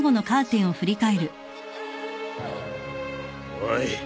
・おい！